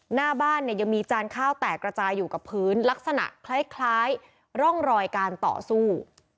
หน้าบ้านเนี่ยยังมีจานข้าวแตกระจายอยู่กับพื้นลักษณะคล้ายร่องรอยการต่อสู้